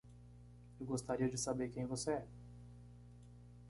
Eu gostaria de saber quem você é.